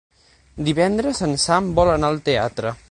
Divendres en Sam vol anar al teatre.